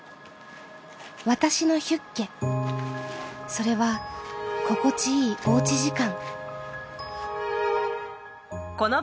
それはここちいいおうち時間。